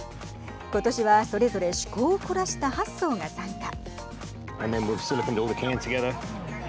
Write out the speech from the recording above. ことしはそれぞれ趣向を凝らした８そうが参加。